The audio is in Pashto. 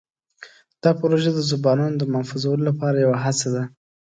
دا پروژه د زبانونو د محفوظولو لپاره یوه هڅه ده.